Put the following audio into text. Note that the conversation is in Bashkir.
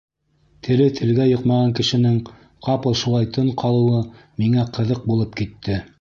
Теле телгә йоҡмаған кешенең ҡапыл шулай тын ҡалыуы миңә ҡыҙыҡ булып китте.